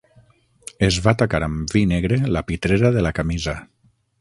Es va tacar amb vi negre la pitrera de la camisa.